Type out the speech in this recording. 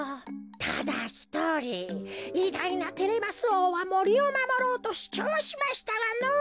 ただひとりいだいなテレマスおうはもりをまもろうとしゅちょうしましたがのぉ。